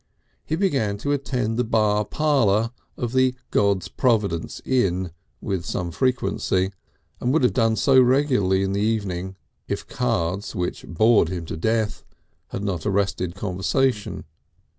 He began to attend the bar parlour of the God's Providence Inn with some frequency, and would have done so regularly in the evening if cards, which bored him to death, had not arrested conversation.